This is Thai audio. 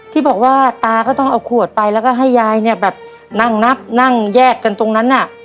ที่บอกว่าตาก็ต้องเอาขวดไปแล้วก็ให้ยายเนี่ยแบบนั่งนับนั่งแยกกันตรงนั้นน่ะ